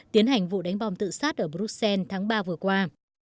tiến hành vụ đánh bom tự sát ở bruxelles tháng ba vừa qua